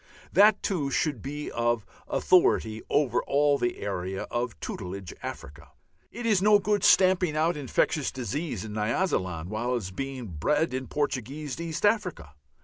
That, too, should be of authority over all the area of "tutelage" Africa. It is no good stamping out infectious disease in Nyasaland while it is being bred in Portuguese East Africa.